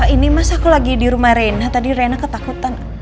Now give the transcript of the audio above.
ini mas aku lagi dirumah reina tadi reina ketakutan